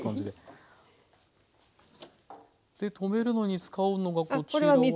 で留めるのに使うのがこちらは？